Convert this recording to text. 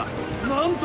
なんと！